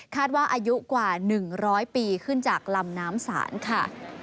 ว่าอายุกว่า๑๐๐ปีขึ้นจากลำน้ำศาลค่ะ